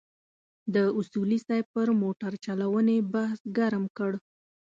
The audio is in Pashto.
د اصولي صیب پر موټرچلونې بحث ګرم کړ.